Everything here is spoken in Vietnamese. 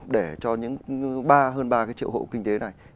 để cho những ba hơn ba triệu hộ kinh tế này